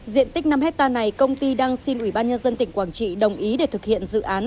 diện tích năm hectare này công ty đang xin ubnd tỉnh quảng trị đồng ý để thực hiện dự án